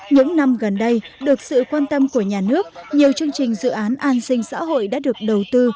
những năm gần đây được sự quan tâm của nhà nước nhiều chương trình dự án an sinh xã hội đã được đầu tư